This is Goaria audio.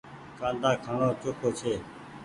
ڪآندآ کآڻو چوکو ڇي ۔